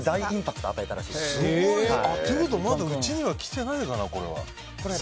ということは、まだうちには来てないかな、これは。